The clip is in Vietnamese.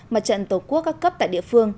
mặt trận tổ quốc các cấp tại địa phương